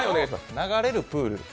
流れるプール？